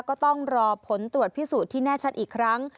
ก็ต้องรอผลตรวจพิสูจน์ที่แน่ชัดอีกครั้ง